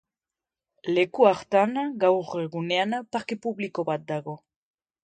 Leku hartan, gaur egunean, parke publiko bat dago.